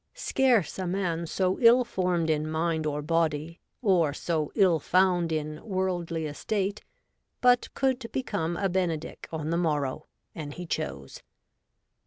Scarce a man so ill formed in mind or body, or so ill found in worldly estate but could become a Benedick on the morrow, an he chose.